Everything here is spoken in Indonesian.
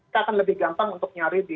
itu akan lebih gampang untuk nyari di retail